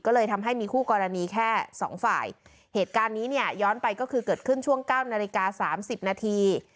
ก็เลยทำให้มีคู่กรณีแค่สองฝ่ายเหตุการณ์นี้เนี่ยย้อนไปก็คือเกิดขึ้นช่วงเก้านาฬิกาสามสิบนาที